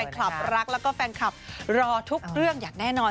ขับรักแล้วก็แฟนคลับรอทุกเรื่องอย่างแน่นอน